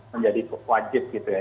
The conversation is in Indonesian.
menjadi wajib gitu ya